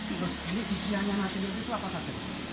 ini isiannya nasi liwet itu apa saja